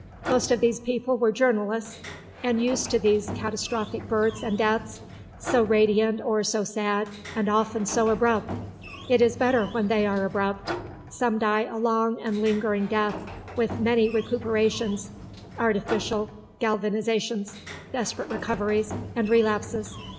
Most of these people were journalists, and used to these catastrophic births and deaths, so radiant or so sad, and often so abrupt. It is better when they are abrupt. Some die a long and lingering death, with many recuperations, artificial galvanisations, desperate recoveries, and relapses.